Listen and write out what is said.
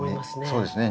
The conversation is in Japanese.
そうですね。